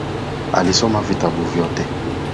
Alisoma vitabu vyote